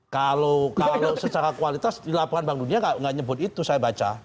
kalau secara kualitas di laporan bank dunia tidak nyebut itu saya baca